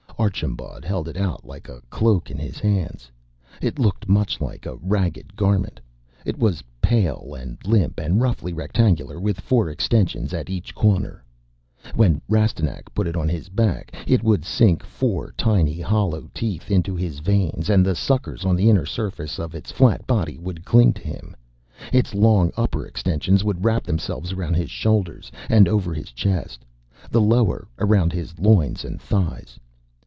Archambaud held it out like a cloak in his hands. It looked much like a ragged garment. It was pale and limp and roughly rectangular with four extensions at each corner. When Rastignac put it on his back, it would sink four tiny hollow teeth into his veins and the suckers on the inner surface of its flat body would cling to him. Its long upper extensions would wrap themselves around his shoulders and over his chest; the lower, around his loins and thighs.